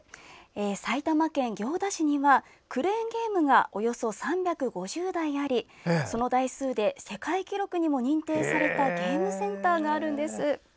埼玉県行田市にはクレーンゲームがおよそ３５０台ありその台数で世界記録にも認定されたゲームセンターがあるんです。